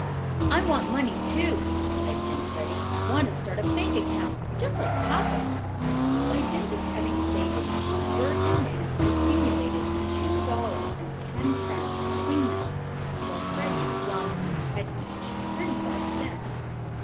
"I want money, too," piped in Freddie. "Want to start a bank account just like papa's." By dint of hard saving Bert and Nan had accumulated two dollars and ten cents between them, while Freddie and Flossie had each thirty five cents.